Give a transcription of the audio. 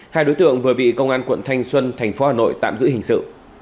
hai đối tượng vừa bị công an quận thanh xuân tp hà nội tạm giữ hình sự